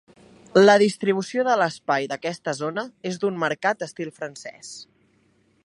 La distribució de l'espai d'aquesta zona és d'un marcat estil francès.